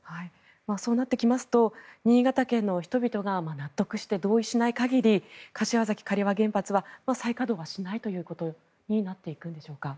そうなってきますと新潟県の人々が納得して、同意しない限り柏崎刈羽原発は再稼働はしないということになっていくんでしょうか。